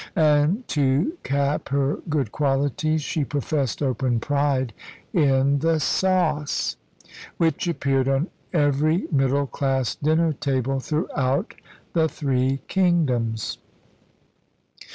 And to cap her good qualities, she professed open pride in the sauce, which appeared on every middle class dinner table throughout the three kingdoms.